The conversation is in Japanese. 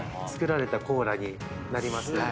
作られたコーラになります。